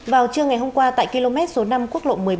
vào trưa ngày hôm qua tại km số năm quốc lộ một mươi bảy